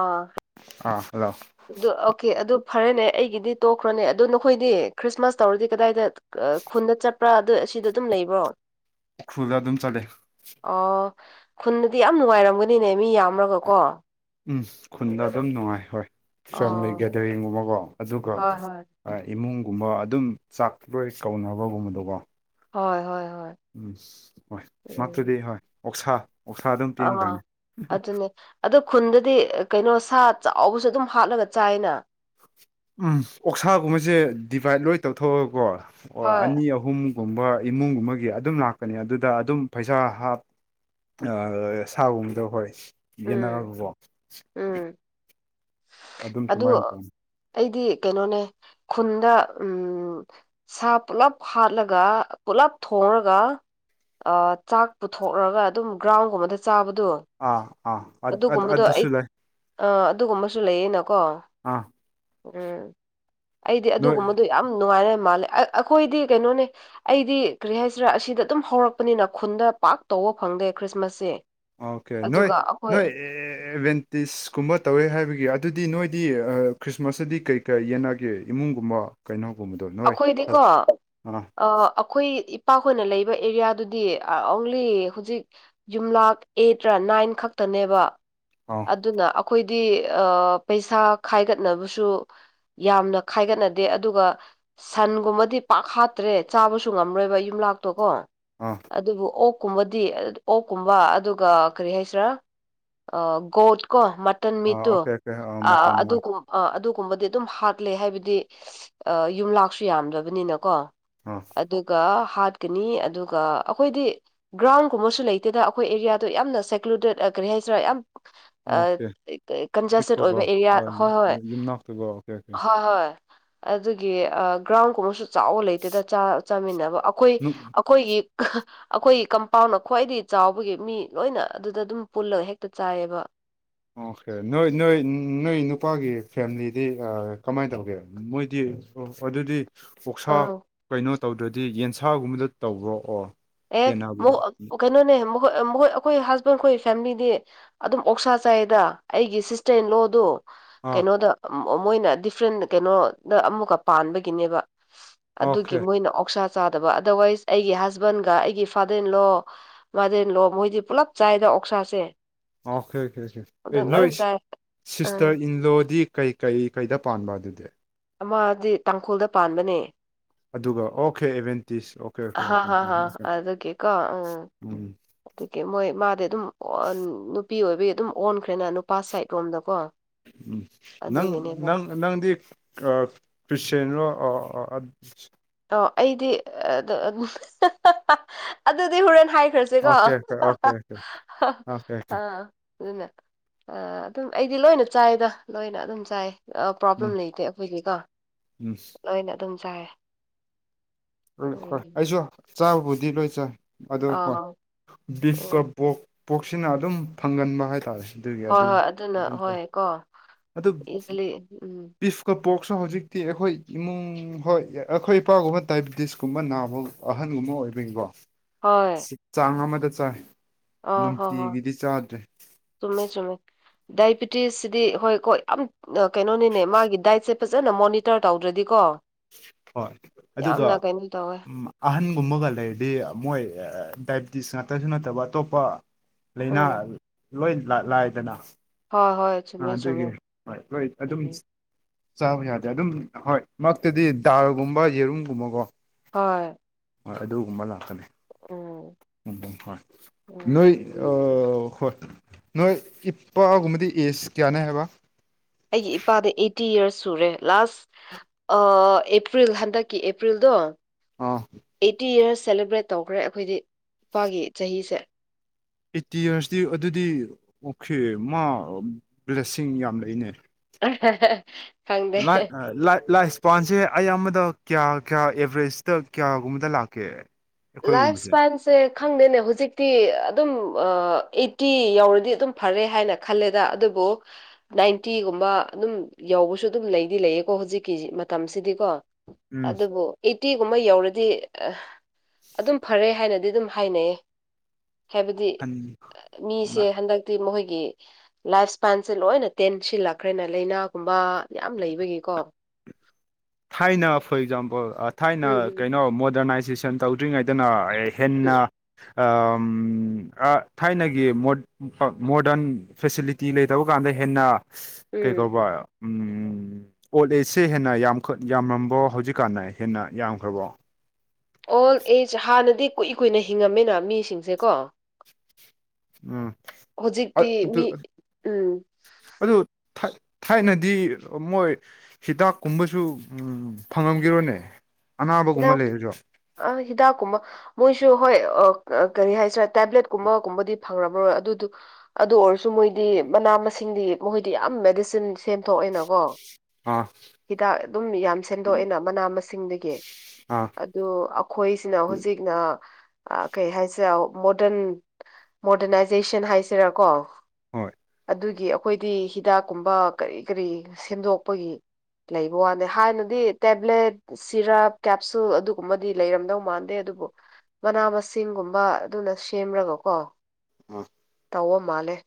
ꯑꯥ ꯑꯥ ꯍꯜꯂꯣ ꯑꯗꯨ ꯑꯣꯀꯦ ꯑꯗꯨ ꯐꯔꯦꯅꯦ ꯑꯩꯒꯤꯗꯤ ꯇꯣꯛꯈ꯭ꯔꯣꯅꯦ ꯑꯗꯨ ꯅꯈꯣꯏꯗꯤ ꯈ꯭ꯔꯤꯁꯃꯥꯁ ꯇꯧꯔꯗꯤ ꯀꯗꯥꯏꯗ ꯈꯨꯟꯗ ꯆꯠꯄ꯭ꯔꯥ ꯑꯗꯨ ꯑꯁꯤꯗꯣ ꯑꯗꯨꯝ ꯂꯩꯕ꯭ꯔꯣ ꯎꯈ꯭ꯔꯨꯜꯗ ꯑꯗꯨꯝ ꯆꯠꯂꯦ ꯑꯣ ꯈꯨꯟꯗꯗꯤ ꯌꯥꯝ ꯅꯨꯡꯉꯥꯏꯔꯝꯒꯅꯤꯅꯦ ꯃꯤ ꯌꯥꯝꯃꯒꯀꯣ ꯎꯝ ꯈꯨꯟꯗ ꯑꯗꯨꯝ ꯅꯨꯡꯉꯥꯏ ꯍꯣꯏ ꯐꯦꯃꯤꯂꯤ ꯑꯥ ꯒꯦꯗꯔꯤꯡꯒꯨꯝꯕꯀꯣ ꯑꯗꯨꯒ ꯍꯣꯏ ꯍꯣꯏ ꯏꯃꯨꯡꯒꯨꯝꯕ ꯑꯗꯨꯝ ꯆꯥꯛꯇꯔꯣꯏ ꯀꯧꯅꯕꯒꯨꯝꯕꯗꯣꯀꯣ ꯍꯣꯏ ꯍꯣꯏ ꯍꯣꯏ ꯎꯝ ꯍꯣꯏ ꯃꯇ꯭ꯔꯗꯤ ꯍꯣꯏ ꯑꯣꯛꯁꯥ ꯑꯣꯛꯁꯥ ꯑꯗꯨꯝ ꯑ ꯑꯗꯨ ꯄꯦꯟꯈ꯭ꯔꯅꯤ ꯑꯗꯨꯅꯦ ꯑꯗꯣ ꯈꯨꯟꯗꯗꯤ ꯀꯩꯅꯣ ꯁꯥ ꯆꯥꯎꯕꯁꯨ ꯑꯗꯨꯝ ꯍꯥꯠꯂꯒ ꯆꯥꯏꯅ ꯎꯝ ꯑꯣꯛꯁꯥꯒꯨꯝꯕꯁꯦ ꯗꯤꯚꯥꯏꯠ ꯂꯣꯏ ꯇꯧꯊꯣꯛꯑꯒꯀꯣ ꯑꯣ ꯍꯣꯏ ꯑꯅꯤ ꯑꯍꯨꯝ ꯑꯍꯨꯝꯒꯨꯝꯕ ꯏꯃꯨꯡꯒꯨꯝꯕꯒꯤ ꯑꯗꯨꯝ ꯂꯥꯛꯀꯅꯤ ꯑꯗꯨꯗ ꯑꯗꯨꯝ ꯄꯩꯁꯥ ꯍꯥꯞ ꯁꯥꯒꯨꯝꯕꯗ ꯍꯣꯏ ꯎꯝ ꯌꯦꯅꯥꯒꯕꯣ ꯎꯝ ꯑꯗꯨꯝ ꯑ ꯑꯗꯨꯃꯥꯏꯅ ꯇꯧꯅꯤ ꯑꯩꯗꯤ ꯀꯩꯅꯣꯅꯦ ꯈꯨꯟꯗ ꯎꯝ ꯁꯥ ꯄꯨꯜꯂꯞ ꯍꯥꯠꯂꯒ ꯄꯨꯂꯞ ꯊꯣꯡꯉꯒ ꯆꯥꯛ ꯄꯨꯊꯣꯛꯂꯒ ꯑꯗꯨꯝ ꯒ꯭ꯔꯥꯎꯟꯒꯨꯝꯕꯗ ꯆꯥꯕꯗꯣ ꯑꯥ ꯑꯥ ꯑ ꯑꯗꯨ ꯑꯗꯨ ꯑꯗꯨꯒꯨꯝꯕꯗꯣ ꯑꯩ ꯑꯗꯨꯁꯨꯂꯥꯏ ꯑꯥ ꯑꯗꯨꯒꯨꯝꯕꯁꯨ ꯂꯩꯌꯦꯅꯀꯣ ꯑꯥ ꯎꯝ ꯑꯩꯗꯤ ꯅꯣꯏ ꯑꯗꯨꯒꯨꯝꯕꯗꯣ ꯌꯥꯝ ꯅꯨꯡꯉꯥꯏꯅ ꯃꯥꯜꯂꯦ ꯑꯩꯈꯣꯏꯗꯤ ꯀꯩꯅꯣꯅꯦ ꯑꯩꯗꯤ ꯀꯔꯤ ꯍꯥꯏꯁꯤꯔꯥ ꯑꯁꯤꯗ ꯑꯗꯨꯝ ꯍꯧꯔꯛꯄꯅꯤꯅ ꯈꯨꯟꯗ ꯄꯥꯛ ꯇꯧꯕ ꯐꯪꯗꯦ ꯈ꯭ꯔꯤꯁꯃꯥꯁꯁꯦ ꯑꯣꯀꯦ ꯅꯣꯏ ꯑꯗꯨꯒ ꯑꯩꯈꯣꯏ ꯅꯣꯏ ꯏꯕꯦꯟ ꯇꯤꯁꯀꯨꯝꯕ ꯇꯧꯋꯦ ꯍꯥꯏꯕꯒꯤ ꯑꯗꯨꯗꯤ ꯅꯣꯏꯗꯤ ꯈ꯭ꯔꯤꯁꯃꯥꯁꯇꯗꯤ ꯀꯩ ꯀꯩ ꯌꯦꯅꯒꯦ ꯏꯃꯨꯡꯒꯨꯝꯕ ꯀꯩꯅꯣꯒꯨꯝꯕꯗꯣꯅꯤ ꯑꯩꯈꯣꯏꯗꯤꯀꯣ ꯑꯩꯈꯣꯏ ꯏꯄꯥꯛꯈꯣꯏꯅ ꯂꯩꯕ ꯑꯦꯔꯤꯌꯥꯗꯨꯗꯤ ꯑꯣꯡꯂꯤ ꯍꯧꯖꯤꯛ ꯌꯨꯝꯂꯛ ꯑꯩꯠ꯭ꯔ ꯅꯥꯏꯟ ꯈꯛꯇꯅꯦꯕ ꯑꯣ ꯑꯗꯨꯅ ꯑꯩꯈꯣꯏꯗꯤ ꯄꯩꯁꯥ ꯈꯥꯏꯒꯠꯅꯕꯁꯨ ꯌꯥꯝꯅ ꯈꯥꯏꯒꯠꯅꯗꯦ ꯑꯗꯨꯒ ꯁꯟꯒꯨꯝꯕꯗꯤ ꯄꯥꯛ ꯍꯥꯠꯇ꯭ꯔꯦ ꯆꯥꯕꯁꯨ ꯉꯝꯂꯣꯏꯕ ꯌꯨꯝꯂꯥꯛꯇꯣ ꯀꯣ ꯑꯥ ꯑꯗꯨꯕꯨ ꯑꯣꯛꯀꯨꯝꯕꯗꯤ ꯑꯣꯛꯀꯨꯝꯕ ꯑꯗꯨꯒ ꯀꯔꯤ ꯍꯥꯏꯁꯤꯔꯥ ꯑ ꯒꯣꯠ ꯀꯣ ꯃꯇꯟ ꯑꯥ ꯃꯤꯠꯇꯨ ꯑꯣꯀꯦ ꯑꯣꯀꯦ ꯑꯥ ꯑ ꯃꯇꯝ ꯑꯗꯨꯒꯨꯝ ꯑꯥ ꯑꯗꯨꯒꯨꯝꯕꯗꯤ ꯑꯗꯨꯝ ꯍꯥꯠꯂꯦ ꯍꯥꯏꯕꯗꯤ ꯌꯨꯝ ꯂꯥꯛꯁꯨ ꯌꯥꯝꯗꯕꯅꯤꯅꯀꯣ ꯑꯥ ꯑꯗꯨꯒ ꯍꯥꯠꯀꯅꯤ ꯑꯗꯨꯒ ꯑꯩꯈꯣꯏꯗꯤ ꯒ꯭ꯔꯥꯎꯟꯒꯨꯝꯕꯁꯨ ꯂꯩꯇꯦꯗ ꯑꯩꯈꯣꯏ ꯑꯦꯔꯤꯌꯥꯗꯣ ꯌꯥꯝꯅ ꯁꯦꯀ꯭ꯂꯨꯗꯦꯠ ꯀꯔꯤ ꯍꯥꯏꯁꯤꯔꯥ ꯌꯥꯝ [inaudible] ꯀꯟꯖꯦꯁꯇꯦꯠ ꯄꯤꯛꯄꯀꯣ ꯑꯣꯏꯕ ꯑꯦꯔꯤꯌꯥ ꯍꯣꯏ ꯍꯣꯏ ꯌꯨꯝꯅꯥꯛꯇꯨꯒ ꯑꯣꯀꯦ ꯑꯣꯀꯦ ꯍꯣꯏ ꯍꯣꯏ ꯑꯗꯨꯒꯤ ꯒ꯭ꯔꯥꯎꯟ ꯀꯨꯝꯕꯁꯨ ꯆꯥꯎꯕ ꯂꯩꯇꯦꯗ ꯆꯥꯃꯤꯟꯅꯕ ꯑꯩꯈꯣꯏ ꯅꯨ- ꯑꯩꯈꯣꯏꯒꯤ ꯑꯩꯈꯣꯏ ꯀꯝꯄꯥꯎꯟꯅ ꯈ꯭ꯋꯥꯏꯗꯒꯤ ꯆꯥꯎꯕꯒꯤ ꯃꯤ ꯂꯣꯏꯅ ꯑꯗꯨꯗ ꯑꯗꯨꯝ ꯄꯨꯜꯂꯒ ꯍꯦꯛꯇ ꯆꯥꯏꯑꯕ ꯑꯣꯀꯦ ꯅꯣꯏ ꯅꯣꯏ ꯅꯣꯏ ꯅꯨꯄꯥꯒꯤ ꯐꯦꯃꯤꯂꯤꯗꯤ ꯀꯃꯥꯏꯅ ꯇꯧꯒꯦ ꯃꯣꯏꯗꯤ ꯑꯣ ꯑꯗꯨꯗꯤ ꯑꯣꯛꯁꯥ ꯑꯥ ꯀꯩꯅꯣ ꯇꯧꯗ꯭ꯔꯗꯤ ꯌꯦꯟꯁꯥꯒꯨꯝꯕꯗ ꯇꯧꯕ꯭ꯔꯣ ꯑꯣ ꯑꯦ ꯌꯦꯟꯅꯕꯗꯣ ꯀꯩꯅꯣꯅꯦ ꯃꯈꯣꯏ ꯃꯈꯣꯏ ꯑꯩꯈꯣꯏ ꯍꯁꯕꯦꯟ ꯑꯩꯈꯣꯏ ꯐꯦꯃꯤꯂꯤꯗꯤ ꯑꯗꯨꯝ ꯑꯣꯛꯁꯥ ꯆꯥꯏꯗ ꯑꯩꯒꯤ ꯁꯤꯁꯇꯔꯟ ꯂꯣꯗꯣ ꯑꯥ ꯀꯩꯅꯣꯗ ꯃꯣꯏꯅ ꯗꯤꯐ꯭ꯔꯦꯟ ꯀꯩꯅꯣꯗ ꯑꯃꯨꯛꯀ ꯄꯥꯟꯕꯒꯤꯅꯦꯕ ꯑꯣꯀꯦ ꯑꯗꯨꯒꯤ ꯃꯣꯏꯅ ꯑꯣꯛꯁꯥ ꯆꯥꯗꯕ ꯑꯗꯔꯋꯥꯏꯁ ꯑꯩꯒꯤ ꯍꯖ ꯍꯕꯟꯒ ꯑꯩꯒꯤ ꯐꯥꯗꯔꯦꯟꯂꯣ ꯃꯥꯗꯔꯂꯣ ꯃꯣꯏꯗꯤ ꯄꯨꯜꯂꯞ ꯆꯥꯏꯗ ꯑꯣꯛꯁꯥꯁꯦ ꯑꯣꯀꯦ ꯑꯣꯀꯦ ꯑꯣꯀꯦ ꯑꯦ ꯑꯗꯨꯝ ꯂꯣꯏ ꯅꯣꯏ ꯆꯥꯏ ꯑꯪ ꯁꯤꯁꯇꯔ ꯏꯟꯂꯣꯗꯤ ꯀꯩ ꯀꯩ ꯀꯩꯗ ꯄꯥꯟꯕ ꯑꯗꯨꯗꯤ ꯃꯥꯗꯤ ꯇꯥꯡꯈꯨꯜꯗ ꯄꯥꯟꯕꯅꯦ ꯑꯗꯨꯒ ꯑꯣꯀꯦ ꯑꯦꯚꯦꯟꯇꯤꯁ ꯑꯣ ꯑꯍꯥ ꯍ ꯍ ꯑꯗꯨꯒꯤ ꯀꯣ ꯎꯝ ꯎꯝ ꯑꯗꯨꯒꯤ ꯃꯣꯏ ꯃꯥꯗꯤ ꯑꯗꯨꯝ ꯅꯨꯄꯤ ꯑꯣꯏꯕꯒꯤ ꯑꯗꯨꯝ ꯑꯣꯟꯈ꯭ꯔꯦꯅ ꯅꯨꯄꯥ ꯁꯥꯏꯠ ꯔꯣꯝꯗꯀꯣ ꯎꯝ ꯅꯪ ꯑꯗꯨꯒꯤꯅꯦꯗ ꯅꯪ ꯅꯪꯗꯤ ꯑꯃꯥ ꯈ꯭ꯔꯤꯁꯇꯦꯟꯔꯣ ꯑ ꯑꯣ ꯑꯩꯗꯤ ꯑꯗꯨꯗꯤ ꯍꯣꯔꯦꯟ ꯍꯥꯏꯈ꯭ꯔꯁꯤ ꯑꯣꯀꯦ ꯑꯣꯀꯦ ꯑꯗꯨꯔꫭ ꯑꯣꯀꯦ ꯑꯣꯀꯦ ꯑꯣꯀꯦ ꯑꯣꯀꯦ ꯑ ꯑꯗꯨꯅ ꯑꯗꯨꯝ ꯑꯩꯗꯤ ꯂꯣꯏꯅ ꯆꯥꯏꯗ ꯂꯣꯏꯅ ꯑꯗꯨꯝ ꯆꯥꯏꯌꯦ ꯄ꯭ꯔꯣꯕ꯭ꯂꯦꯝ ꯎꯝ ꯂꯩꯇꯦ ꯑꯩꯈꯣꯏꯗꯤꯀꯣ ꯎꯝ ꯂꯣꯏꯅ ꯑꯗꯨꯝ ꯆꯥꯏꯔꯦ ꯍꯣꯏ ꯑꯩꯁꯨ ꯆꯥꯕꯕꯨꯗꯤ ꯂꯣꯏ ꯆꯥꯏ ꯑꯗꯣ ꯍꯣꯏ ꯑꯥ ꯎꯝ ꯕꯤꯐꯀ ꯕꯣꯛ ꯄꯣꯛꯁꯤꯅ ꯑꯗꯨꯝ ꯐꯪꯒꯟꯕ ꯍꯥꯏꯇꯥꯔꯦ ꯑꯗꯨꯒꯤ ꯍꯣꯏ ꯑꯗꯨ ꯍꯣꯏ ꯑꯗꯨꯅ ꯑꯗꯨ ꯆ ꯍꯣꯏ ꯀꯣ ꯑꯗꯨ ꯄꯐ ꯏꯖꯤꯂꯤ ꯎꯝ ꯑꯩꯈꯣꯏ ꯄꯣꯛꯁꯨ ꯍꯧꯖꯤꯛꯇꯤ ꯑꯩꯈꯣꯏ ꯏꯃꯨꯡ ꯍꯣꯏ ꯑꯩꯈꯣꯏ ꯏꯄꯥꯒꯨꯝꯕ ꯗꯥꯏꯕꯦꯇꯤꯁꯀꯨꯝꯕ ꯅꯥꯕ ꯑꯍꯟꯒꯨꯝꯕ ꯑꯣꯏꯕꯅꯤꯀꯣ ꯆꯥꯡ ꯑꯃꯗ ꯆꯥꯏ ꯑꫭ ꯍꯣ ꯍꯣ ꯅꯨꯡꯇꯤꯒꯤꯗꯤ ꯆꯥꯗ꯭ꯔꯦ ꯆꯨꯝꯃꯦ ꯆꯨꯝꯃꯦ ꯗꯥꯏꯕꯤꯇꯤꯁꯁꯤꯗꯤ ꯍꯣꯏ ꯀꯣꯏ ꯌꯥꯝ ꯀꯩꯅꯣꯅꯤꯅꯦ ꯃꯥꯒꯤ ꯗꯥꯏꯠꯁꯦ ꯐꯖꯅ ꯃꯣꯅꯤꯇꯔ ꯇꯧꯗ꯭ꯔꯗꯤꯀꯣ ꯍꯣꯏ ꯑꯗꯨꯒ ꯌꯥꯝꯅ ꯀꯩꯅꯣ ꯇꯧꯋꯦ ꯑꯍꯟꯒꯨꯝꯕꯒ ꯂꯩꯔꯗꯤ ꯃꯣꯏ ꯗꯥꯏꯕꯤꯇꯤꯁ ꯉꯥꯛꯇꯁꯨ ꯅꯠꯇꯕ ꯑꯇꯣꯞꯄ ꯂꯥꯏꯅꯥ ꯎꯝ ꯂꯣꯏ ꯂꯥꯏꯗꯅ ꯍꯣꯏ ꯍꯣꯏ ꯑꯥ ꯆꯨꯝꯃꯦ ꯆꯨꯝꯃꯦ ꯑꯗꯨꯒꯤ ꯍꯣꯏ ꯍꯣꯏ ꯑꯗꯨꯝ ꯎꯝ ꯆꯥꯕ ꯌꯥꯗꯦ ꯑꯗꯨꯝ ꯍꯣꯏ ꯃꯛꯇꯗꯤ ꯗꯥꯜꯒꯨꯝꯕ ꯌꯦꯔꯨꯝꯒꯨꯝꯕꯀꯣ ꯍꯣꯏ ꯍꯣꯏ ꯑꯗꯨꯒꯨꯝꯕ ꯂꯥꯛꯀꯅꯤ ꯎꯝ ꯎꯝ ꯍꯣꯏ ꯎꯝ ꯅꯣꯏ ꯍꯣꯏ ꯅꯣꯏ ꯏꯄꯥꯒꯨꯝꯕꯗꯤ ꯑꯦꯖ ꯀꯌꯥꯅꯦ ꯍꯥꯏꯕ ꯑꯩꯒꯤ ꯏꯄꯥꯗ ꯑꯠꯇꯤ ꯌꯔꯁ ꯁꯨꯔꯦ ꯂꯥꯁ ꯑꯦꯄ꯭ꯔꯤꯜ ꯍꯟꯗꯛꯀꯤ ꯑꯦꯄ꯭ꯔꯤꯜꯗꯣ ꯑꯥ ꯑꯩꯠꯇꯤ ꯌꯔꯁ ꯁꯦꯂꯦꯕ꯭ꯔꯦꯠ ꯇꯧꯈ꯭ꯔꯦ ꯑꯩꯈꯣꯏꯗꯤ ꯏꯄꯥꯒꯤ ꯆꯍꯤꯁꯦ ꯑꯩꯠꯇꯤ ꯌꯔꯁꯇꯤ ꯑꯗꯨꯗꯤ ꯑꯣꯀꯦ ꯃꯥ ꯕ꯭ꯂꯦꯁꯤꯡ ꯌꯥꯝ ꯂꯩꯅꯦ [inaudible] ꯂ ꯂꯥꯏ ꯄꯥꯟꯁꯦ ꯑꯩ ꯑꯃꯗ ꯀꯌꯥ ꯀꯌꯥ ꯑꯦꯚꯔꯦꯁꯇ ꯀꯌꯥꯒꯨꯝꯕꯗ ꯂꯥꯛꯀꯦ ꯂꯥꯏꯐ ꯑꯩꯈꯣꯏꯒꯨꯝꯕꯁꯦ ꯁꯄꯟꯁ ꯁꯦ ꯈꯪꯗꯦꯅꯦ ꯍꯧꯖꯤꯛꯇꯤ ꯑꯗꯨꯝ ꯑꯩꯠꯇꯤ ꯌꯥꯧꯔꯗꯤ ꯑꯗꯨꯝ ꯐꯔꯦ ꯍꯥꯏꯅ ꯈꯜꯂꯦꯗ ꯑꯗꯨꯕꯨ ꯅꯥꯏꯟꯇꯤꯒꯨꯝꯕ ꯑꯗꯨꯝ ꯌꯧꯕꯁꯨ ꯑꯗꯨꯝ ꯂꯩꯗꯤ ꯂꯩꯌꯦꯀꯣ ꯍꯧꯖꯤꯛꯀꯤ ꯃꯇꯝꯁꯤꯗꯤꯀꯣ ꯎꯝ ꯑꯗꯨꯕꯨ ꯑꯩꯠꯇꯤꯒꯨꯝꯕ ꯌꯧꯔꯗꯤ ꯑꯗꯨꯝ ꯐꯔꯦ ꯍꯥꯏꯅꯗꯤ ꯑꯗꯨꯝ ꯍꯥꯏꯅꯩꯌꯦ ꯍꯥꯏꯕꯗꯤ ꯍꯟ ꯃꯤꯁꯦ ꯍꯟꯗꯛ ꯒꯤ ꯃꯈꯣꯏꯒꯤ ꯂꯥꯏꯐ ꯏꯁꯄꯥꯏꯟꯁꯦ ꯂꯣꯏꯅ ꯇꯦꯟꯁꯤꯜꯂꯛꯈ꯭ꯔꯦꯅ ꯂꯥꯏꯅꯥꯒꯨꯝꯕ ꯌꯥꯝ ꯂꯩꯕꯒꯤꯀꯣ ꯊꯥꯏꯅ ꯐꯣꯔ ꯑꯦꯛꯖꯥꯝꯄꯜ ꯊꯥꯏꯅ ꯎꯝ ꯀꯩꯅꯣ ꯃꯣꯗꯔꯅꯥꯏꯖꯦꯁꯟ ꯇꯧꯗ꯭ꯔꯤꯉꯩꯗꯅ ꯑꯦ ꯎꯝ ꯍꯦꯟꯅ ꯎꯝ ꯊꯥꯏꯅꯒꯤ ꯃꯣꯠ ꯃꯣꯗꯔꯟ ꯐꯦꯁꯤꯂꯤꯇꯤ ꯂꯩꯇꯕ ꯀꯥꯟꯗ ꯍꯦꯟꯅ ꯀꯩ ꯎꯝ ꯀꯧꯕꯧꯕ ꯎ ꯑꯣꯜ ꯑꯦꯖꯁꯦ ꯍꯦꯟꯅ ꯌꯥꯝ ꯈꯨꯠ ꯌꯥꯝꯔꯝꯕ꯭ꯔꯣ ꯍꯧꯖꯤꯛꯀꯥꯟꯗ ꯍꯦꯟꯅ ꯌꯥꯝꯈ꯭ꯔꯕꯣ ꯑꯣꯜ ꯑꯦꯖ ꯍꯥꯟꯅꯗꯤ ꯀꯨꯏ ꯀꯨꯏꯅ ꯍꯤꯡꯉꯝꯃꯦꯅ ꯃꯤꯁꯤꯡꯁꯦꯀꯣ ꯎꯝ ꯑ ꯍꯧꯖꯤꯛꯇꯤ ꯑꯗꯨ ꯃꯤ ꯎꯝ ꯑꯗꯨ ꯊꯥꯏꯅꯗꯤ ꯃꯣꯏ ꯍꯤꯗꯥꯛ ꯀꯨꯝꯕꯁꯨ ꯐꯪꯉꯝꯈꯤꯔꯣꯅꯦ ꯑꯅꯥꯕꯒꯨꯝꯕ ꯍꯤꯗꯥꯛ ꯂꯩꯔꯁꯨ ꯑ ꯍꯥꯛꯀꯨꯝꯕ ꯃꯣꯏꯁꯨ ꯍꯣꯏ ꯀꯔꯤ ꯍꯥꯏꯁꯤꯔꯥ ꯇꯦꯕ꯭ꯂꯦꯠ ꯀꯨꯝꯕꯒꯨꯝꯕꯗꯤ ꯐꯪꯕꯔꯣꯏ ꯑꯗꯨꯗꯨ ꯑꯗꯨ ꯑꯣꯏꯔꯁꯨ ꯃꯣꯏꯗꯤ ꯃꯅꯥ ꯃꯁꯤꯡꯗꯤ ꯃꯣꯏꯗꯤ ꯌꯥꯝ ꯃꯦꯗꯤꯁꯤꯟ ꯁꯦꯝꯗꯣꯛꯑꯦꯅꯀꯣ ꯑꯥ ꯍꯤꯗꯥꯛ ꯑꯗꯨꯝ ꯌꯥꯝ ꯁꯦꯝꯗꯣꯛꯑꯦꯅ ꯃꯅꯥ ꯃꯁꯤꯡꯗꯒꯤ ꯑꯥ ꯑꯗꯨ ꯑꯩꯈꯣꯏꯁꯤꯅ ꯍꯧꯖꯤꯛꯅ ꯀꯩ ꯍꯥꯏꯁꯦ ꯃꯣꯗꯔꯟ ꯃꯣꯗꯔꯅꯥꯏꯖꯦꯁꯟ ꯍꯥꯏꯁꯤꯔꯥꯀꯣ ꯍꯣꯏ ꯑꯗꯨꯒꯤ ꯑꯩꯈꯣꯏꯗꯤ ꯍꯤꯗꯥꯛ ꯀꯨꯝꯕ ꯀꯔꯤ ꯀꯔꯤ ꯁꯦꯝꯗꯣꯛꯄꯒꯤ ꯂꯩꯕ ꯋꯥꯅꯤ ꯍꯥꯟꯅꯗꯤ ꯇꯦꯕ꯭ꯂꯦꯠ ꯁꯤꯔꯞ ꯀꯦꯞꯁꯨꯜ ꯑꯗꯨꯒꯨꯝꯕꯗꯤ ꯂꯩꯔꯝꯗꯧ ꯃꯥꯟꯗꯦ ꯑꯗꯨꯕꯨ ꯃꯅꯥ ꯃꯁꯤꯡꯒꯨꯝꯕ ꯑꯗꯨꯅ ꯁꯦꯝ꯭ꯔꯒ ꯀꯣ ꯑꯥ ꯅꯣ ꯃꯥꯂꯦ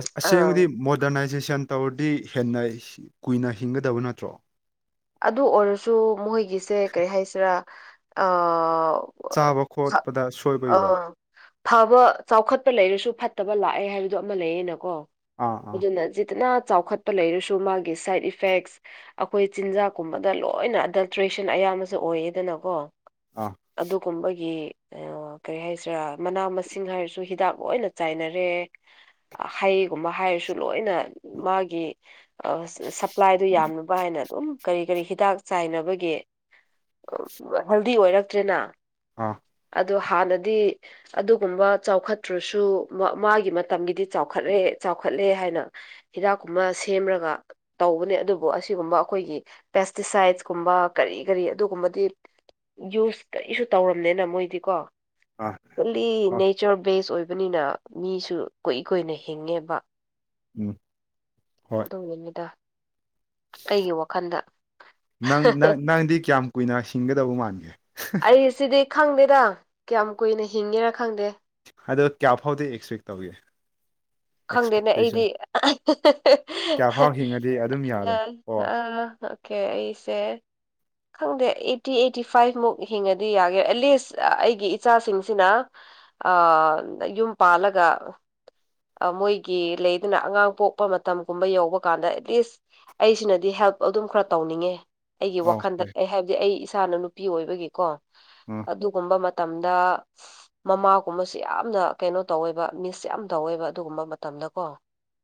ꯑꯁ ꯑꯁꯦꯡꯕꯗꯤ ꯃꯣꯗꯔꯅꯥꯏꯖꯦꯁꯟ ꯇꯧꯔꯗꯤ ꯍꯦꯟꯅ ꯀꯨꯏꯅ ꯍꯤꯡꯒꯗꯕ ꯅꯠꯇ꯭ꯔꯣ ꯑꯗꯨ ꯑꯣꯏꯔꯁꯨ ꯃꯣꯏꯒꯤꯁꯦ ꯀꯔꯤ ꯍꯥꯏꯁꯤꯔꯥ ꯆꯥꯕ ꯈꯣꯠꯄꯗ ꯁꯣꯏꯕ ꯏꯔꯣ ꯑꯥ ꯐꯕ ꯆꯥꯎꯈꯠꯄ ꯂꯩꯔꯁꯨ ꯐꯠꯇꯕ ꯂꯥꯛꯑꯦ ꯍꯥꯏꯕꯗꯣ ꯑꯃ ꯂꯩꯌꯦꯅꯀꯣ ꯑꯥ ꯑꯥ ꯑꯗꯨꯅ ꯠꯇꯅ ꯆꯥꯎꯈꯠꯄ ꯂꯩꯔꯁꯨ ꯃꯥꯒꯤ ꯁꯥꯏꯠ ꯏꯐꯦꯛꯁ ꯑꯩꯈꯣꯏ ꯆꯤꯟꯖꯥꯛꯀꯨꯝꯕꯗ ꯂꯣꯏꯅ ꯑꯗꯜꯇ꯭ꯔꯦꯁꯟ ꯑꯌꯥꯝꯕꯁꯨ ꯑꯣꯏꯌꯦꯗꯅꯀꯣ ꯑꯥ ꯑꯗꯨꯒꯨꯝꯕꯒꯤ ꯀꯔꯤ ꯍꯥꯏꯁꯤꯔꯥ ꯃꯅꯥ ꯃꯁꯤꯡ ꯍꯥꯏꯔꯁꯨ ꯍꯤꯗꯥꯛ ꯂꯣꯏꯅ ꯆꯥꯏꯅꯔꯦ꯫ ꯍꯩꯒꯨꯝꯕ ꯍꯥꯏꯔꯁꯨ ꯂꯣꯏꯅ ꯃꯥꯒꯤ ꯄ꯭ꯂꯥꯏꯗꯨꯣ ꯌꯥꯝꯂꯅꯕ ꯍꯥꯏꯅ ꯎꯝ ꯀꯔꯤ ꯀꯔꯤ ꯍꯤꯗꯥꯛ ꯆꯥꯏꯅꯕꯒꯤ ꯍꯦꯜꯗꯤ ꯑꯣꯏꯔꯛꯇ꯭ꯔꯦꯅ ꯑꯥ ꯑꯗꯣ ꯍꯥꯟꯅꯗꯤ꯫ ꯑꯗꯨꯒꯨꯝꯕ ꯆꯥꯎꯈꯠꯇ꯭ꯔꯁꯨ ꯃꯥꯒꯤ ꯃꯇꯝꯒꯤꯗꯤ ꯆꯥꯎꯈꯠꯂꯦ ꯆꯥꯎꯈꯠꯂꯦ ꯍꯥꯏꯅ ꯍꯤꯗꯥꯛꯀꯨꯝꯃ ꯁꯦꯝꯔꯒ ꯇꯧꯕꯅꯦ ꯑꯗꯨꯕꯨ ꯑꯁꯤꯒꯨꯝꯕ ꯑꯩꯈꯣꯏꯒꯤ ꯄꯦꯁꯇꯤꯁꯥꯏꯠꯁꯀꯨꯝꯕ ꯀꯔꯤ ꯀꯔꯤ ꯑꯗꯨꯒꯨꯝꯕꯗꯤ꯫ ꯌꯨꯁ ꯀꯔꯤꯁꯨ ꯇꯧꯔꯝꯅꯤꯅ ꯃꯣꯏꯗꯤꯀꯣ ꯑꯥ ꯂꯤ ꯍꯣꯏ ꯅꯦꯆꯔ ꯕꯦꯁ ꯑꯣꯏꯕꯅꯤꯅ ꯃꯤꯁꯨ ꯀꯨꯏ ꯀꯨꯏꯅ ꯍꯤꯡꯉꯦꯕ ꯎꯝ ꯑꯗꯨꯝꯒꯤꯅꯤꯗ ꯅꯪꯪ ꯅꯪꯗꯤ ꯀꯌꯥꯝ ꯀꯨꯏꯅ ꯁꯤꯡꯒꯗꯧꯕ ꯃꯥꯟꯒꯦ꯫ ꯑꯩ ꯁꯤꯗꯤ ꯈꯪꯗꯦꯗꯪ ꯀꯌꯥꯝ ꯀꯨꯏꯅ ꯍꯤꯡꯉꯦꯔ ꯈꯪꯗꯦ꯫ ꯑꯗꯣ ꯀꯌꯥ ꯐꯥꯎꯗꯤ ꯑꯦꯛꯁꯄꯦꯛ ꯇꯧꯒꯦ꯫ ꯈꯪꯗꯦꯅꯦ ꯑꯩꯗꯤ ꯑꯦꯛꯁꯄꯦꯛꯇꯦꯁꯟ ꯑꯥ ꯀꯌꯥꯐꯥꯎ ꯍꯤꯡꯉꯗꯤ ꯑꯗꯨꯝ ꯌꯥꯔꯦ ꯑꯣ ꯑꯣꯀꯦ ꯑꯩꯁꯦ꯫ ꯈꯪꯗꯦ ꯑꯩꯠꯇꯤ ꯑꯩꯠꯇꯤ ꯐꯥꯏꯚꯃꯨꯛ ꯍꯤꯡꯉꯗꯤ ꯌꯥꯒꯦ ꯑꯦꯠꯂꯤꯁ ꯑꯩꯒꯤ ꯏꯆꯥꯁꯤꯡꯁꯤꯅ ꯑ ꯌꯨꯝ ꯄꯥꯜꯂꯒ ꯃꯣꯏꯒꯤ ꯂꯩꯗꯅ ꯑꯉꯥꯡ ꯄꯣꯛꯄ ꯃꯇꯝꯒꯨꯝꯕ ꯌꯧꯕ ꯀꯥꯟꯗ ꯑꯦꯠꯂꯤꯁ ꯑꯩꯁꯤꯅꯗꯤ ꯍꯦꯜꯞ ꯑꯗꯨꯝ ꯈꯔ ꯇꯧꯅꯤꯡꯉꯦ꯫ ꯑꯩꯒꯤ ꯋꯥꯈꯟꯗ ꯑꯣꯀꯦ ꯑꯩ ꯍꯥꯏꯕꯗꯤ ꯑꯩ ꯏꯁꯥꯅ ꯅꯨꯄꯤ ꯑꯣꯏꯕꯒꯤꯀꯣ꯫ ꯎꯝ ꯑꯗꯨꯒꯨꯝꯕ ꯃꯇꯝꯗ ꯃꯃꯥꯒꯨꯝꯕꯕꯁꯤ ꯌꯥꯝꯅ ꯀꯩꯅꯣ ꯇꯧꯋꯦꯕ ꯃꯤꯁ ꯌꯥꯝ ꯇꯧꯋꯦꯕ ꯑꯗꯨꯒꯨꯝꯕ ꯃꯇꯝꯗꯀꯣ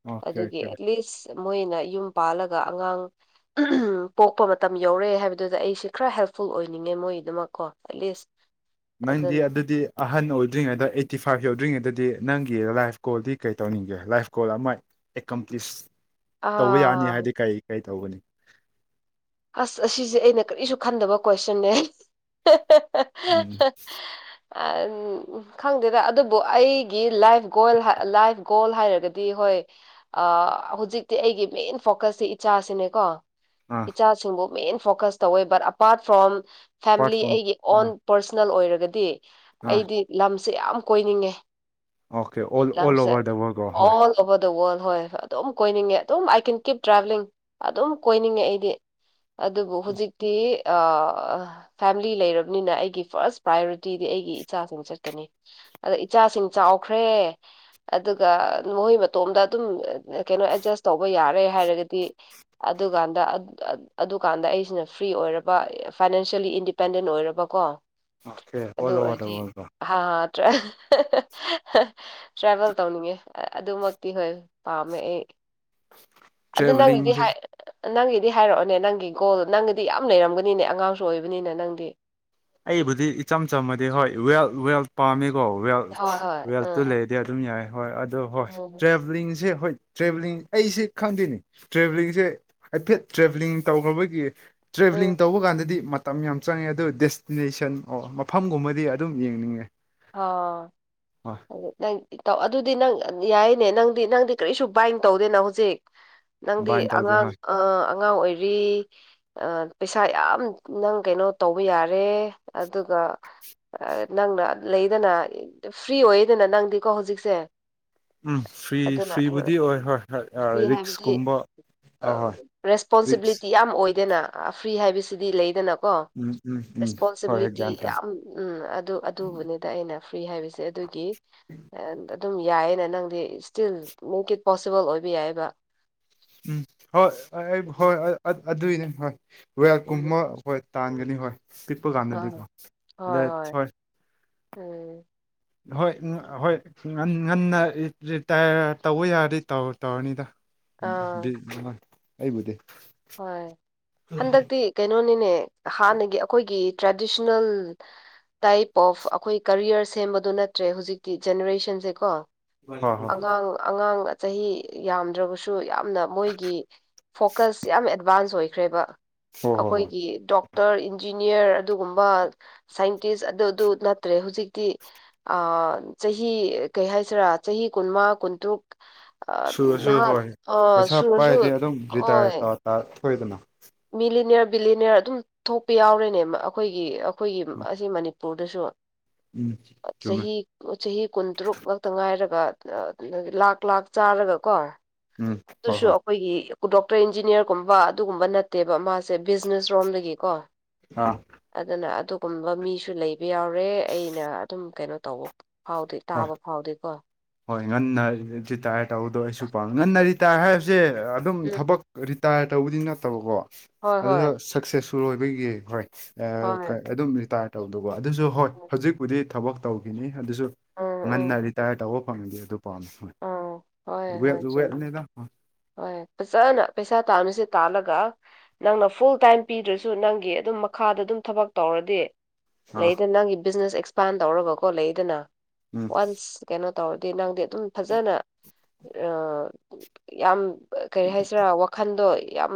ꯑꯣꯀꯦ ꯑꯗꯨꯒꯤ ꯑꯣꯀꯦ ꯑꯦꯠꯂꯤꯁ ꯃꯣꯏꯅ ꯌꯨꯝ ꯄꯥꯜꯂꯒ ꯑꯉꯥꯡ ꯄꯣꯛꯄ ꯃꯇꯝ ꯌꯧꯔꯑꯦ ꯍꯥꯏꯕꯗꯨꯗ ꯑꯩꯁꯤ ꯈꯔ ꯍꯦꯜꯞꯐꯨꯜ ꯑꯣꯏꯅꯤꯡꯉꯦ ꯃꯣꯏꯗꯨꯃꯛꯀꯣ ꯑꯦꯠꯂꯤꯁ ꯅꯪꯗꯤ ꯑꯗꯨꯅ ꯑꯗꯨꯗꯤ ꯑꯍꯟ ꯑꯣꯏꯗ꯭ꯔꯤꯉꯩꯗ ꯑꯩꯠꯇꯤ ꯐꯥꯏꯚ ꯌꯧꯗ꯭ꯔꯤꯉꯩꯗꯗꯤ ꯅꯪꯒꯤ ꯂꯥꯏꯐ ꯀꯣꯜꯗꯤ ꯀꯩ ꯇꯧꯅꯤꯡꯒꯦ ꯂꯥꯏꯐ ꯀꯣꯜ ꯑꯃ ꯑꯦꯀꯝꯄ꯭ꯂꯤꯁ ꯇꯧꯕ ꯑꯥ ꯌꯥꯅꯤ ꯍꯥꯏꯗꯤ ꯀꯩ ꯀꯔꯤ ꯇꯧꯕꯒꯅꯤ꯫ ꯑꯁ ꯑꯁꯤꯁꯦ ꯑꯩꯅ ꯀꯔꯤꯁꯨ ꯈꯟꯗꯕ ꯀꯣꯏꯁꯟꯅꯦ꫰ ꯎꯝ ꯑ [unintelligible] ꯈꯪꯗꯦꯗ ꯑꯗꯨꯕꯨ ꯑꯩꯒꯤ ꯂꯥꯏꯐ ꯒꯣꯜ ꯂꯥꯏꯐ ꯒꯣꯜ ꯍꯥꯏꯔꯒꯗꯤ ꯍꯣꯏ ꯑ ꯍꯧꯖꯤꯛꯇꯤ ꯑꯩꯒꯤ ꯃꯦꯟ ꯐꯣꯀꯁꯁꯤꯦ ꯏꯆꯥꯁꯤꯅꯦꯀꯣ ꯑꯥ ꯏꯆꯥꯁꯤꯡꯕꯨ ꯃꯦꯟ ꯐꯣꯀꯁ ꯇꯧꯋꯦ but apart from apart family from ꯑꯩꯒꯤ ꯑꯥ ꯑꯣꯟ ꯄꯔꯁꯅꯦꯜ ꯑꯣꯏꯔꯒꯗꯤ ꯑꯥ ꯑꯩꯗꯤ ꯂꯝꯁꯦ ꯌꯥꯝ ꯀꯣꯏꯅꯤꯡꯉꯦ꯫ Okay all over the world ꯍꯣꯏ ꯑꯣ ꯑꯣꯕꯔ ꯗ ꯋꯥꯋꯔꯜ ꯍꯣꯏꯣꯏ ꯑꯗꯨꯝ ꯀꯣꯏꯅꯤꯡꯉꯦ ꯑꯗꯨꯝ ꯑꯥꯏ ꯀꯦꯟ ꯀꯤꯞ ꯇ꯭ꯔꯥꯕꯂꯤꯡ ꯑꯗꯨꯝ ꯀꯣꯏꯅꯤꯡꯉꯦ ꯑꯩꯗꯤ꫰ ꯑꯗꯨꯕꯨ ꯍꯧꯖꯤꯛꯇꯤ ꯐꯦꯃꯤꯂꯤ ꯂꯩꯔꯕꯅꯤꯅ ꯑꯩꯒꯤ ꯐꯥꯔꯁ ꯄ꯭ꯔꯥꯏꯌꯣꯔꯤꯇꯤꯗꯤ ꯑꯩꯒꯤ ꯏꯆꯥꯁꯤꯡ ꯆꯠꯀꯅꯤ꯫ ꯑꯗ ꯏꯆꯥꯁꯤꯡ ꯆꯥꯎꯈ꯭ꯔꯦ꯫ ꯑꯗꯨꯒ ꯃꯈꯣꯏ ꯃꯇꯣꯝꯗ ꯑꯗꯨꯝ ꯀꯩꯅꯣ ꯑꯦꯗꯖꯁ ꯇꯧꯕ ꯌꯥꯔꯦ ꯍꯥꯏꯔꯒꯗꯤ꯫ ꯑꯗꯨꯀꯥꯟꯗ ꯑꯗꯨꯀꯥꯟꯗ ꯑꯩꯁꯤꯅ ꯐ꯭ꯔꯤ ꯑꯣꯏꯔꯕ ꯐꯥꯏꯅꯥꯟꯁꯤꯦꯜꯂꯤ ꯏꯟꯗꯤꯄꯦꯟꯗꯦꯟ ꯑꯣꯏꯔꯕꯀꯣ okay all over the world ꯍꯥꯥꯠꯇ ꯇ꯭ꯔꯦꯚꯦꯜ ꯇꯧꯅꯤꯡꯉꯦ ꯑꯗꯨꯃꯛꯇꯤ ꯍꯣꯏ ꯄꯥꯝꯃꯦ ꯑꯩ [inaudible] ꯑꯗꯨ ꯅꯪꯒꯤꯗꯤ ꯍꯥꯏ ꯅꯪꯒꯤꯗꯤ ꯍꯥꯏꯔꯛꯑꯣꯅꯦ ꯅꯪꯒꯤ ꯒꯣꯜ ꯅꯪꯒꯤꯗꯤ ꯌꯥꯝ ꯂꯩꯔꯝꯒꯅꯤꯅꯦ ꯑꯉꯥꯡꯁꯨ ꯑꯣꯏꯕꯅꯤꯅ ꯅꯪꯗꯤ ꯑꯩꯕꯨꯗꯤ ꯏꯆꯝ ꯆꯝꯃꯗꯤ ꯍꯣꯏ ꯋꯦꯜ ꯋꯦꯜ ꯄꯥꯝꯃꯤꯀꯣ ꯋꯦꯜ ꯍꯣꯏ ꯍꯣꯏ ꯋꯦꯜꯇꯨ ꯎꯝ ꯗꯤ ꯑꯗꯨꯝ ꯌꯥꯏ ꯍꯣꯏ ꯑꯗꯣ ꯍꯣꯏ ꯎꯝ ꯇ꯭ꯔꯦꯕꯂꯤꯡꯁꯦ ꯍꯣꯏ ꯇ꯭ꯔꯦꯕꯦꯂꯤꯡ ꯑꯩꯁ ꯈꯪꯗꯣꯏꯅꯤ ꯇ꯭ꯔꯦꯕꯦꯂꯤꯡꯁꯦ ꯍꯥꯏꯐꯦꯠ ꯇ꯭ꯔꯦꯕꯦꯂꯤꯡ ꯇꯧꯈ꯭ꯔꯕꯒꯤ ꯎꯝ ꯇ꯭ꯔꯦꯚꯦꯂꯤꯡ ꯇꯧꯕ ꯀꯥꯟꯗꯗꯤ ꯃꯇꯝ ꯌꯥꯝ ꯆꯪꯉꯦ ꯑꯗꯨꯗꯤꯁ ꯗꯦꯁꯇꯤꯅꯦꯁꯟ ꯑꯣ ꯃꯐꯝꯒꯨꯝꯕꯗꯤ ꯑꯗꯨꯝ ꯌꯦꯡꯅꯤꯡꯉꯦ ꯑ ꯍꯣꯏ ꯑꯗꯨ ꯇꯧ ꯑꯗꯨꯗꯤ ꯅꯪ ꯌꯥꯏꯅꯦ ꯅꯪꯗꯤ ꯅꯪꯗꯤ ꯀꯔꯤꯁꯨ ꯕꯥꯏꯟ ꯇꯧꯗꯦꯅ ꯍꯧꯖꯤꯛ ꯅꯪꯗꯤ ꯕꯥꯏꯟ ꯇꯧꯗꯦ ꯑꯉꯥꯡ ꯍꯣꯏ ꯑ ꯑꯉꯥꯡ ꯑꯣꯏꯔꯤ ꯄꯩꯁꯥ ꯌꯥꯝ ꯅꯪ ꯀꯩꯅꯣ ꯇꯧꯕ ꯌꯥꯔꯦ ꯑꯗꯨꯒ ꯅꯪꯅ ꯂꯩꯗꯅ ꯐ꯭ꯔꯤ ꯑꯣꯏꯌꯦꯗꯅ ꯅꯪꯗꯤꯀꯣ ꯍꯧꯖꯤꯛꯁꯦ ꯎꯝ ꯐ꯭ꯔꯤ ꯑꯗꯨꯅ ꯐ꯭ꯔꯤꯕꯨꯗꯤ ꯎꯝ ꯑꯣꯏ ꯍꯣꯏ ꯐ ꯍꯣꯏ ꯍꯥꯏꯕꯗꯤ ꯔꯤꯛꯁꯀꯨꯝꯕ ꯑ ꯍꯣꯏ ꯔꯤꯛꯁ ꯔꯦꯁꯄꯣꯟꯁꯤꯕꯤꯂꯤꯇꯤ ꯌꯥꯝ ꯑꯣꯏꯗꯅ ꯐ꯭ꯔꯤ ꯍꯥꯏꯕꯁꯤꯗꯤ ꯂꯩꯗꯅꯀꯣ ꯀꯣ ꯎꯝ ꯎꯝ ꯎꯝ ꯍꯣꯏ ꯍꯣꯏ ꯔꯦꯁꯄꯣꯟꯁꯤꯕꯤꯂꯤꯇꯤ ꯒ꯭ꯌꯥꯟ ꯇꯥꯏ ꯌꯥꯝ ꯎꯝ ꯑꯗꯨ ꯑꯗꯨꯕꯨꯅꯤ ꯑꯗꯨꯗ ꯑꯩꯅ ꯐ꯭ꯔꯤ ꯍꯥꯏꯕꯁꯦ ꯑꯗꯨꯒꯤ ꯑꯗꯨꯝ ꯌꯥꯏꯌꯦꯅꯦ ꯅꯪꯗꯤ ꯏꯁ꯭ꯇꯤꯜ ꯃꯦꯛ ꯏꯠ ꯄꯣꯁꯤꯕꯜ ꯑꯣꯏꯕ ꯌꯥꯏꯑꯕ ꯎꯝ ꯍꯣꯏ ꯑꯩ ꯍꯣꯏ ꯑꯗꯨꯏꯅꯦ ꯍꯣꯏ ꯦꯜ ꯀꯨꯝ ꯍꯣꯏ ꯇꯥꯟꯒꯅꯤ ꯍꯣꯏ ꯄꯤꯛꯄ ꯀꯥꯟꯅꯗ꯭ꯔꯤꯀꯣ ꯑꯗ ꯍꯣꯏ ꯍꯣꯏ ꯁꯣꯏ ꯎꯝ ꯍꯣꯏ ꯍꯣꯏ ꯉꯟꯅ ꯔꯤꯇꯥꯌꯔ ꯇꯧꯕ ꯌꯥꯔꯗꯤ ꯇꯧꯔꯅꯤꯗ ꯑꯥ ꯑꯩꯕꯨꯗꯤꯦ ꯍꯣꯏ ꯍꯟꯗꯛꯇꯤ ꯀꯩꯅꯣꯅꯤꯅꯦ ꯍꯥꯟꯅꯒꯤ ꯑꯩꯈꯣꯏꯒꯤ ꯇ꯭ꯔꯦꯗꯤꯁꯅꯦꯜ ꯇꯥꯏꯞ ꯑꯣꯐ ꯑꯩꯈꯣꯏ ꯀꯔꯤꯌꯔ ꯁꯦꯝꯕꯗꯣ ꯅꯠꯇ꯭ꯔꯦ ꯍꯧꯖꯤꯛꯇꯤ ꯖꯦꯅꯦꯔꯦꯁꯟꯁꯦ ꯀꯣ ꯍꯣꯏ ꯍꯣꯏ ꯑꯉꯥꯡ ꯑꯉꯥꯡ ꯆꯍꯤ ꯌꯥꯝꯗ꯭ꯔꯕꯁꯨ ꯌꯥꯝ ꯌꯥꯝꯅ ꯃꯣꯏꯒꯤ ꯐꯣꯀꯁ ꯌꯥꯝ ꯑꯦꯗꯚꯥꯟꯁ ꯑꯣꯏꯈ꯭ꯔꯦꯕ ꯍꯣꯏ ꯍꯣꯏ ꯍꯣꯏ ꯑꯩꯈꯣꯏꯒꯤ ꯗꯣꯛ ꯗꯣꯛꯇꯔ ꯏꯟꯖꯤꯅꯤꯌꯥꯔ ꯑꯗꯨꯒꯨꯝꯕ ꯁꯥꯏꯟꯇꯤꯁ ꯑꯗꯨ ꯑꯗꯨ ꯅꯠꯇ꯭ꯔꯦ ꯍꯧꯖꯤꯛꯇꯤ ꯑ ꯆꯍꯤ ꯀꯩ ꯍꯥꯏꯁꯤꯔꯥ ꯆꯍꯤ ꯀꯨꯟꯃꯥ ꯀꯨꯟꯇꯔꯨꯛ ꯁꯨꯔꯁꯨ ꯅꯍꯥꯟ ꯍꯣꯏ ꯑ ꯁꯨꯔꯁꯨ ꯑꯣꯏ ꯊꯣꯏꯗꯅ ꯃꯤꯂꯤꯅꯤꯌꯥ ꯕꯤꯂꯤꯅꯤꯌꯥ ꯑꯗꯨꯝ ꯊꯣꯛꯄ ꯌꯥꯎꯔꯦꯅꯦ ꯑꯩꯈꯣꯏꯒꯤ ꯑꯩꯈꯣꯏꯒꯤ ꯑꯁꯤ ꯃꯅꯤꯄꯨꯔꯗꯁꯨ ꯎꯝ ꯑ ꯆꯨꯝꯃꯦ ꯆꯍꯤ ꯆꯍꯤ ꯀꯨꯟꯇꯔꯨꯛ ꯉꯛꯇ ꯉꯥꯏꯔꯒ ꯂꯥꯛ ꯂꯥꯛ ꯆꯥꯔꯒ ꯀꯣ ꯎꯝ ꯍꯣ ꯑꯗꯨꯁꯨ ꯍꯣ ꯑꯩꯈꯣꯏꯒꯤ ꯗꯣꯛꯇꯔ ꯏꯟꯖꯤꯅꯤꯌꯥꯔꯒꯨꯝꯕ ꯑꯗꯨꯒꯨꯝꯕ ꯅꯠꯇꯦꯕ ꯃꯥꯁꯦ ꯕꯤꯖꯤꯅꯦꯁ ꯔꯣꯝꯗꯒꯤꯀꯣ ꯑꯥ ꯑꯗꯨꯅ ꯑꯗꯨꯒꯨꯝꯕ ꯃꯤꯁꯨ ꯂꯩꯕ ꯌꯥꯎꯔꯦ ꯑꯩꯅ ꯑꯗꯨꯝ ꯀꯩꯅꯣ ꯇꯧꯕ ꯐꯥꯎꯗꯦ ꯍꯣꯏ ꯇꯥꯕ ꯐꯥꯎꯗꯦꯀꯣ ꯍꯣꯏ ꯉꯟꯅ ꯔꯤꯇꯥꯌꯔ ꯇꯧꯕꯗꯣ ꯑꯩꯁꯨ ꯄꯥꯝꯃꯤ ꯉꯟꯅ ꯔꯤꯇꯥꯌꯔ ꯍꯥꯏꯕꯁꯦ ꯑꯗꯨꯝ ꯎꯝ ꯊꯕꯛ ꯔꯤꯇꯥꯌꯔ ꯇꯧꯕꯗꯤ ꯅꯠꯇꯕꯀꯣ ꯍꯣꯏ ꯍꯣꯏ ꯑꯗꯨꯗ ꯁꯛꯁꯦꯁꯁꯨꯨ ꯑꯣꯏꯕꯒꯤ ꯍꯣꯏ ꯍꯣꯏ ꯑꯗꯨꯝ ꯔꯤꯇꯥꯌꯔ ꯇꯧꯗꯧꯕ ꯑꯗꯨꯁꯨ ꯍꯣꯏ ꯎꯝ ꯍꯧꯖꯤꯛꯄꯨꯗꯤ ꯊꯕꯛ ꯇꯧꯈꯤꯅꯤ ꯑꯗꯨꯁꯨ ꯉꯟꯅ ꯎꯝ ꯔꯤꯇꯥꯌꯔ ꯇꯧꯕ ꯐꯪꯉꯗꯤꯦ ꯑꯗꯨ ꯄꯥꯝꯃꯦ ꯍꯣꯏ ꯎꯝ ꯍꯣꯏ ꯋꯦ ꯍꯣꯏ ꯆꯨꯝꯃꯤ ꯋꯦꯞꯅꯤꯗ ꯍꯣꯏ ꯍꯣꯏ ꯐꯖꯅ ꯄꯩꯁꯥ ꯇꯥꯅꯨꯁꯦ ꯇꯥꯜꯂꯒ ꯅꯪꯅ ꯐꯨꯜ ꯇꯥꯏꯝ ꯄꯤꯗ꯭ꯔꯁꯨ ꯅꯪꯒꯤ ꯑꯗꯨꯝ ꯃꯈꯥꯗ ꯑꯗꯨꯝ ꯊꯕꯛ ꯇꯧꯔꯗꯤ ꯑꯥ ꯂꯩꯗꯅ ꯅꯪꯒꯤ ꯕꯤꯖꯤꯅꯦꯁ ꯑꯦꯛꯁꯄꯥꯟ ꯇꯧꯔꯕꯀꯣ ꯂꯩꯗꯅ ꯎꯝ ꯋꯥꯟꯁ ꯀꯩꯅꯣ ꯇꯧꯔꯗꯤ ꯅꯪꯗꯤ ꯑꯗꯨꯝ ꯐꯖꯅ ꯌꯥꯝ ꯀꯔꯤ ꯍꯥꯏꯁꯤꯔꯥ ꯋꯥꯈꯟꯗꯣ ꯌꯥꯝ